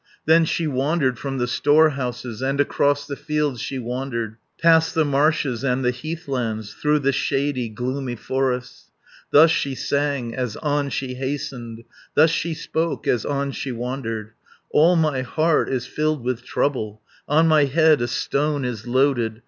Then she wandered from the storehouses, And across the fields she wandered, Past the marshes, and the heathlands, Through the shady, gloomy forests. 270 Thus she sang, as on she hastened, Thus she spoke, as on she wandered: "All my heart is filled with trouble; On my head a stone is loaded.